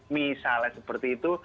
misalnya seperti itu